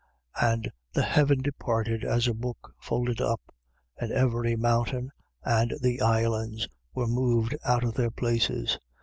6:14. And the heaven departed as a book folded up. And every mountain, and the islands, were moved out of their places.